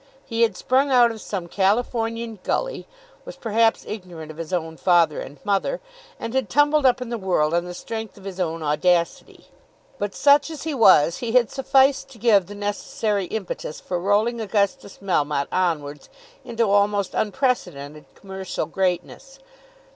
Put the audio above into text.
He had sprung out of some Californian gully, was perhaps ignorant of his own father and mother, and had tumbled up in the world on the strength of his own audacity. But, such as he was, he had sufficed to give the necessary impetus for rolling Augustus Melmotte onwards into almost unprecedented commercial greatness.